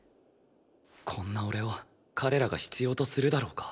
こんな俺を彼らが必要とするだろうか？